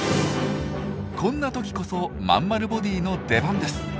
こんな時こそまんまるボディーの出番です。